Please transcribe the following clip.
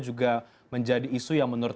juga menjadi isu yang menurut